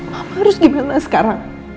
mama harus gimana sekarang